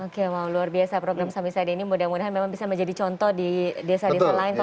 oke mau luar biasa program samisade ini mudah mudahan memang bisa menjadi contoh di desa desa lain pak